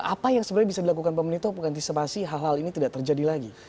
apa yang sebenarnya bisa dilakukan pemerintah untuk mengantisipasi hal hal ini tidak terjadi lagi